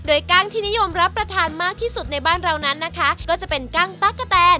โดยกั้งที่นิยมรับประทานมากที่สุดในบ้านเรานั้นนะคะก็จะเป็นกั้งตั๊กกะแตน